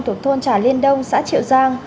thuộc thôn trà liên đông xã triệu giang